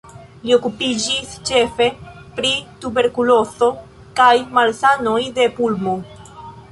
Li okupiĝis ĉefe pri tuberkulozo kaj malsanoj de pulmo.